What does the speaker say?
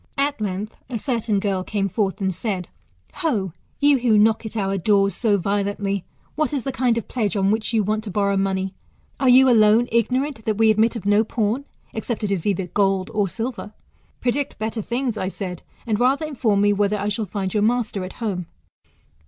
At length, a certain girl came forth, and said, Ho 1 you who knock at our doors so violently, what is the kind of pledge on which you want to borrow money ? Are you alone ignorant that we admit of no pawn, except it is either gold or silver ? Predict better things, I said, and rather inform me, whether I shall find your master at home